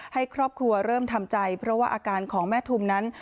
ให้ครอบครัวเริ่มทำใจเพราะว่าอาการของแม่ทุมนั้น